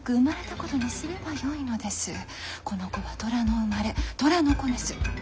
この子は寅の生まれ寅の子です。